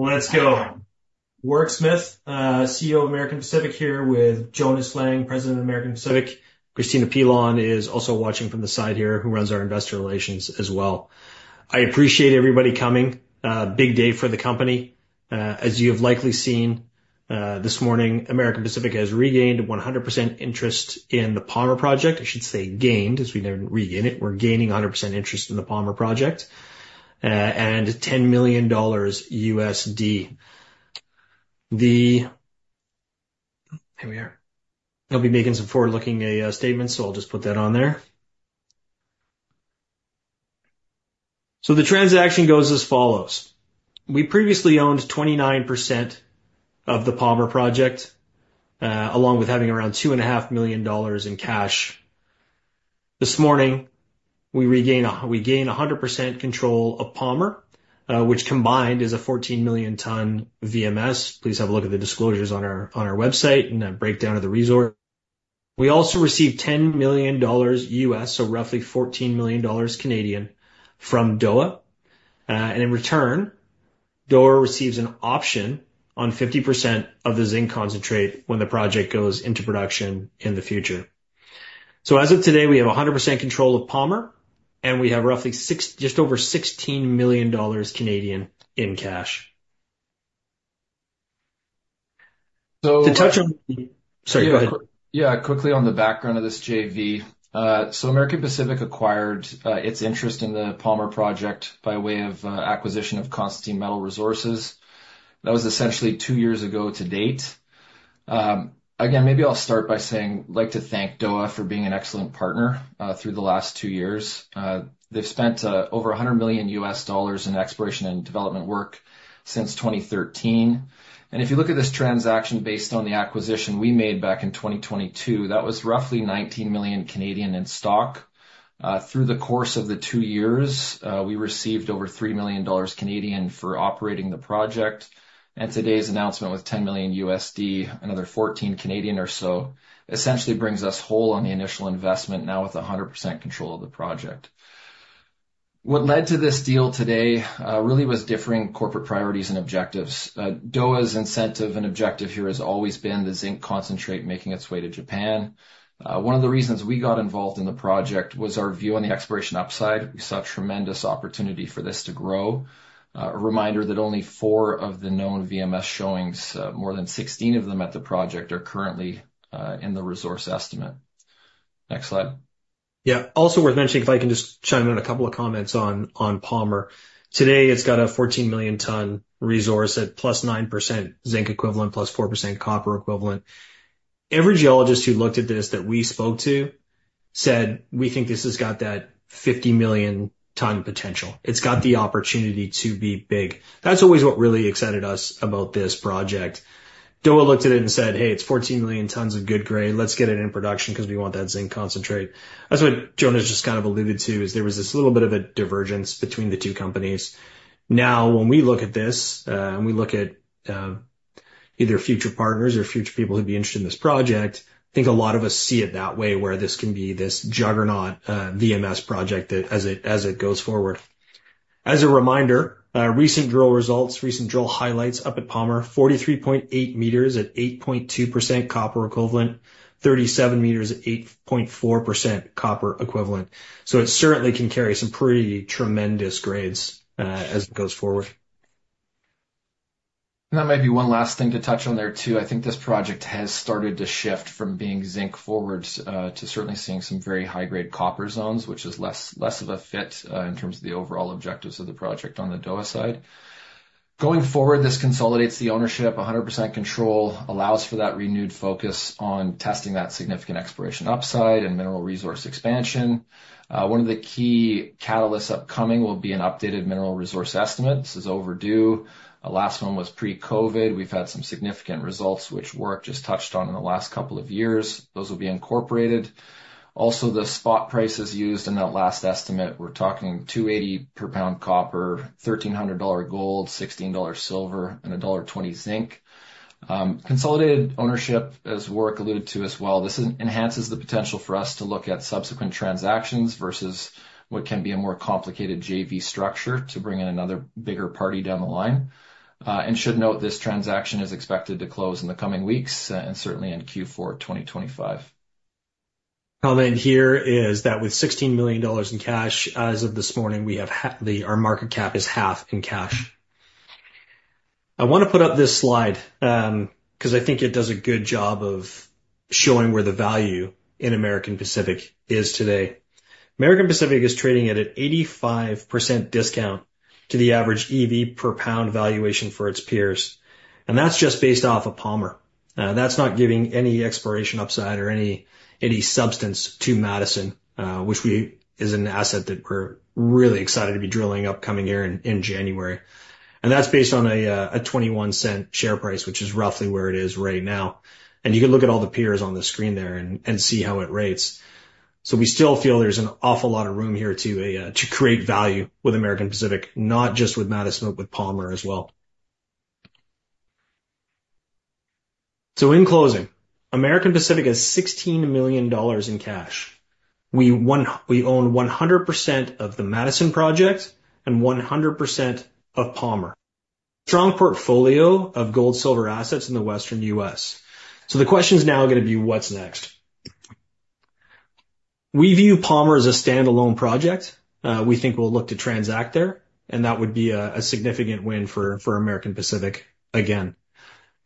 Let's go. Warwick Smith, CEO of American Pacific here with Joness Lang, President of American Pacific. Kristina Pillon is also watching from the side here, who runs our Investor Relations as well. I appreciate everybody coming. Big day for the company. As you have likely seen this morning, American Pacific has regained 100% interest in the Palmer Project. I should say gained, as we didn't regain it. We're gaining 100% interest in the Palmer Project and $10 million. The. Here we are. I'll be making some forward-looking statements, so I'll just put that on there. So the transaction goes as follows. We previously owned 29% of the Palmer Project, along with having around $2.5 million in cash. This morning, we regained 100% control of Palmer, which combined is a 14 million ton VMS. Please have a look at the disclosures on our website and a breakdown of the resource. We also received $10 million, so roughly 14 million dollars, from Dowa. And in return, Dowa receives an option on 50% of the zinc concentrate when the project goes into production in the future. So as of today, we have 100% control of Palmer, and we have roughly just over 16 million Canadian dollars in cash. So. To touch on the - sorry, go ahead. Yeah, quickly on the background of this, JV. So American Pacific acquired its interest in the Palmer Project by way of acquisition of Constantine Metal Resources. That was essentially two years ago to date. Again, maybe I'll start by saying I'd like to thank Dowa for being an excellent partner through the last two years. They've spent over $100 million in exploration and development work since 2013. And if you look at this transaction based on the acquisition we made back in 2022, that was roughly 19 million in stock. Through the course of the two years, we received over 3 million Canadian dollars for operating the project. And today's announcement with $10 million, another 14 million or so, essentially brings us whole on the initial investment now with 100% control of the project. What led to this deal today really was differing corporate priorities and objectives. Dowa's incentive and objective here has always been the zinc concentrate making its way to Japan. One of the reasons we got involved in the project was our view on the exploration upside. We saw tremendous opportunity for this to grow. A reminder that only four of the known VMS showings, more than 16 of them at the project, are currently in the resource estimate. Next slide. Yeah. Also worth mentioning, if I can just chime in a couple of comments on Palmer. Today, it's got a 14 million ton resource at plus 9% zinc equivalent, plus 4% copper equivalent. Every geologist who looked at this that we spoke to said, "We think this has got that 50 million ton potential. It's got the opportunity to be big. That's always what really excited us about this project." Dowa looked at it and said, "Hey, it's 14 million tons of good grade. Let's get it in production because we want that zinc concentrate." That's what Joness just kind of alluded to, is there was this little bit of a divergence between the two companies. Now, when we look at this, and we look at either future partners or future people who'd be interested in this project, I think a lot of us see it that way, where this can be this juggernaut VMS project as it goes forward. As a reminder, recent drill results, recent drill highlights up at Palmer, 43.8 meters at 8.2% copper equivalent, 37 meters at 8.4% copper equivalent. So it certainly can carry some pretty tremendous grades as it goes forward. That might be one last thing to touch on there too. I think this project has started to shift from being zinc-forward to certainly seeing some very high-grade copper zones, which is less of a fit in terms of the overall objectives of the project on the Dowa side. Going forward, this consolidates the ownership, 100% control, allows for that renewed focus on testing that significant exploration upside and mineral resource expansion. One of the key catalysts upcoming will be an updated mineral resource estimate. This is overdue. The last one was pre-COVID. We've had some significant results, which we just touched on in the last couple of years. Those will be incorporated. Also, the spot prices used in that last estimate, we're talking $2.80 per pound copper, $1,300 gold, $16 silver, and $1.20 zinc. Consolidated ownership, as work alluded to as well, this enhances the potential for us to look at subsequent transactions versus what can be a more complicated JV structure to bring in another bigger party down the line. And should note, this transaction is expected to close in the coming weeks and certainly in Q4 2025. Comment here is that with $16 million in cash as of this morning, our market cap is half in cash. I want to put up this slide because I think it does a good job of showing where the value in American Pacific is today. American Pacific is trading at an 85% discount to the average EV per pound valuation for its peers, and that's just based off of Palmer. That's not giving any exploration upside or any substance to Madison, which is an asset that we're really excited to be drilling upcoming here in January, and that's based on a $0.21 share price, which is roughly where it is right now, and you can look at all the peers on the screen there and see how it rates. So we still feel there's an awful lot of room here to create value with American Pacific, not just with Madison, but with Palmer as well. So in closing, American Pacific has $16 million in cash. We own 100% of the Madison project and 100% of Palmer. Strong portfolio of gold, silver assets in the Western U.S. So the question's now going to be, what's next? We view Palmer as a standalone project. We think we'll look to transact there, and that would be a significant win for American Pacific again.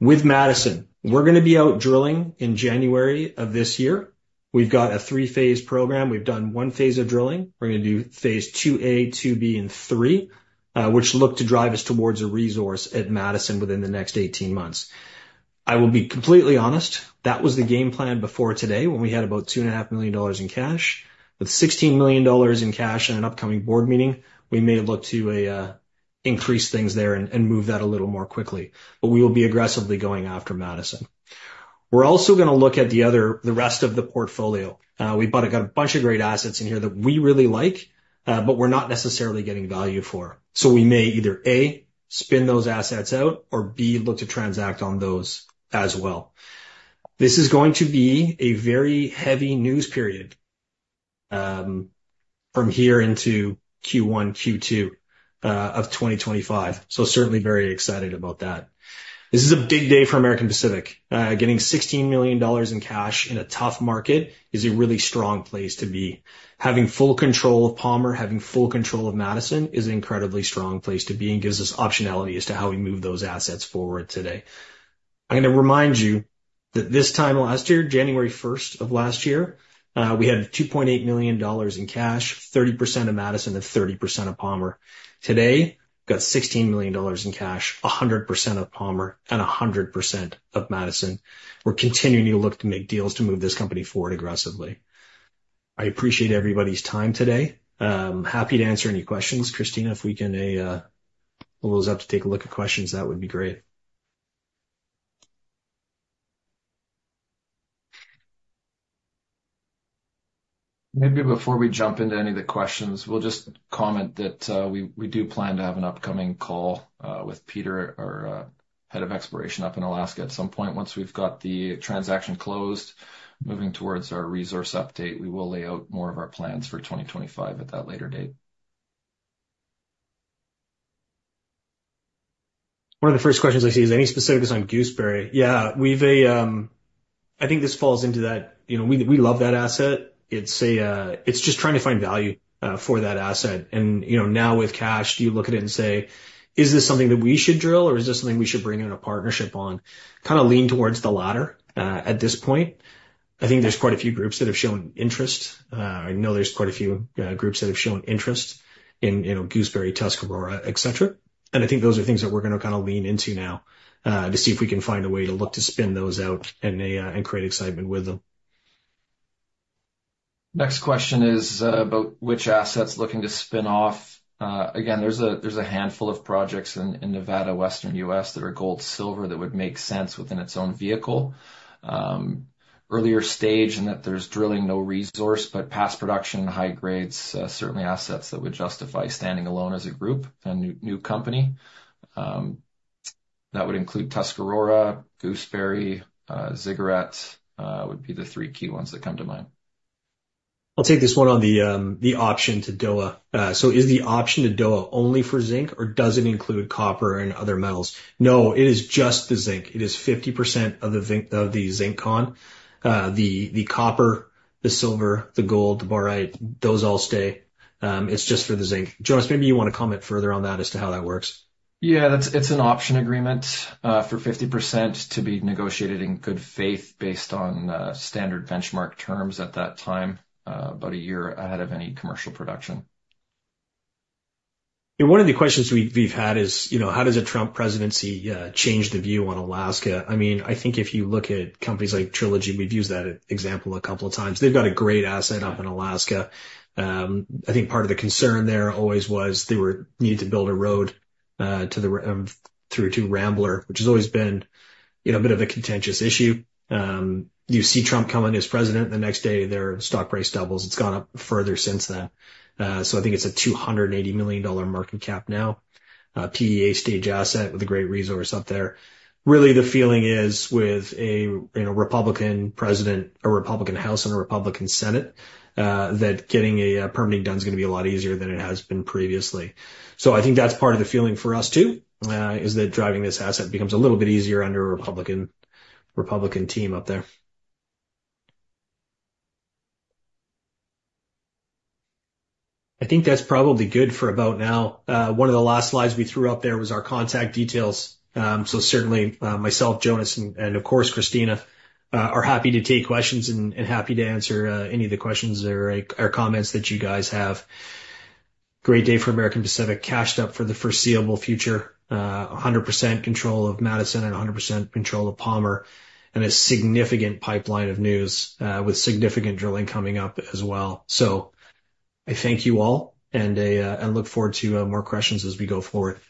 With Madison, we're going to be out drilling in January of this year. We've got a three-phase program. We've done one phase of drilling. We're going to do Phase II-A, II-B, and III, which look to drive us towards a resource at Madison within the next 18 months. I will be completely honest. That was the game plan before today when we had about $2.5 million in cash. With $16 million in cash and an upcoming board meeting, we may look to increase things there and move that a little more quickly. But we will be aggressively going after Madison. We're also going to look at the rest of the portfolio. We've got a bunch of great assets in here that we really like, but we're not necessarily getting value for. So we may either A, spin those assets out, or B, look to transact on those as well. This is going to be a very heavy news period from here into Q1, Q2 of 2025. So certainly very excited about that. This is a big day for American Pacific. Getting $16 million in cash in a tough market is a really strong place to be. Having full control of Palmer, having full control of Madison is an incredibly strong place to be and gives us optionality as to how we move those assets forward today. I'm going to remind you that this time last year, January 1st of last year, we had $2.8 million in cash, 30% of Madison and 30% of Palmer. Today, we've got $16 million in cash, 100% of Palmer, and 100% of Madison. We're continuing to look to make deals to move this company forward aggressively. I appreciate everybody's time today. Happy to answer any questions. Kristina, if we can hold those up to take a look at questions, that would be great. Maybe before we jump into any of the questions, we'll just comment that we do plan to have an upcoming call with Peter, our head of exploration up in Alaska, at some point. Once we've got the transaction closed, moving towards our resource update, we will lay out more of our plans for 2025 at that later date. One of the first questions I see is, any specifics on Gooseberry? Yeah. I think this falls into that. We love that asset. It's just trying to find value for that asset. And now with cash, do you look at it and say, "Is this something that we should drill, or is this something we should bring in a partnership on?" Kind of lean towards the latter at this point. I think there's quite a few groups that have shown interest. I know there's quite a few groups that have shown interest in Gooseberry, Tuscarora, etc. And I think those are things that we're going to kind of lean into now to see if we can find a way to look to spin those out and create excitement with them. Next question is about which assets looking to spin off. Again, there's a handful of projects in Nevada, Western U.S. that are gold, silver that would make sense within its own vehicle. Earlier stage in that there's drilling, no resource, but past production, high grades, certainly assets that would justify standing alone as a group and new company. That would include Tuscarora, Gooseberry, Ziggurat would be the three key ones that come to mind. I'll take this one on the option to Dowa. So is the option to Dowa only for zinc, or does it include copper and other metals? No, it is just the zinc. It is 50% of the zinc con. The copper, the silver, the gold, the barite, those all stay. It's just for the zinc. Joness, maybe you want to comment further on that as to how that works. Yeah, it's an option agreement for 50% to be negotiated in good faith based on standard benchmark terms at that time, about a year ahead of any commercial production. One of the questions we've had is, how does a Trump presidency change the view on Alaska? I mean, I think if you look at companies like Trilogy, we've used that example a couple of times. They've got a great asset up in Alaska. I think part of the concern there always was they needed to build a road through to Ambler, which has always been a bit of a contentious issue. You see Trump coming as president, the next day their stock price doubles. It's gone up further since then. So I think it's a $280 million market cap now. PEA stage asset with a great resource up there. Really, the feeling is with a Republican president, a Republican House and a Republican Senate, that getting a permitting done is going to be a lot easier than it has been previously. So I think that's part of the feeling for us too, is that driving this asset becomes a little bit easier under a Republican team up there. I think that's probably good for about now. One of the last slides we threw up there was our contact details. So certainly myself, Joness, and of course, Kristina are happy to take questions and happy to answer any of the questions or comments that you guys have. Great day for American Pacific, cashed up for the foreseeable future, 100% control of Madison and 100% control of Palmer, and a significant pipeline of news with significant drilling coming up as well. So I thank you all and look forward to more questions as we go forward.